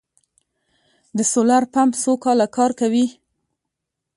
د سولر پمپ څو کاله کار کوي؟